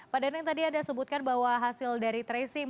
pak dadang tadi ada sebutkan bahwa hasil dari tracing